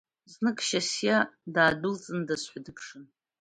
Знык Шьасиа даадәылҵындаз ҳәа дыԥшын.